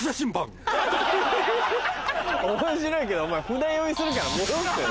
面白いけどお前船酔いするから戻ってろ。